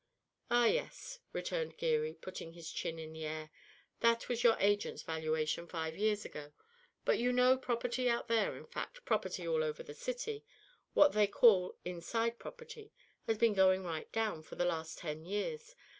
"Ah, yes," returned Geary, putting his chin in the air, "that was your agent's valuation five years ago; but you know property out there, in fact, property all over the city, what they call inside property, has been going right down for the last ten years.